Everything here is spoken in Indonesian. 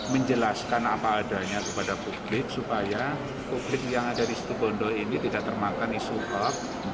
menjelaskan apa adanya kepada publik supaya publik yang ada di situ bondo ini tidak termakan isu hoax